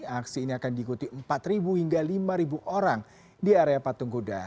aksi ini akan diikuti empat hingga lima orang di area patung kuda